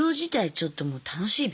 ちょっともう楽しいべ？